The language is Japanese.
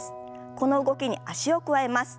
この動きに脚を加えます。